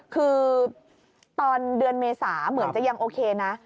คือตอนเดือนเมษาเหมือนจะยังโอเคนะ